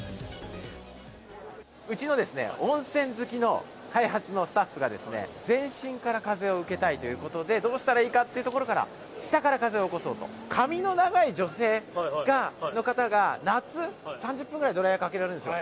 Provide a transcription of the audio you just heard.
うちの温泉好きの開発のスタッフがですね、全身から風を受けたいということで、どうしたらいいかっていうところから、下から風を起こそうと。髪の長い女性の方が、夏、３０分ぐらいドライヤーかけられるんですよ。